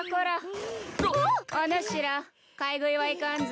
おぬしら買い食いはいかんぞ。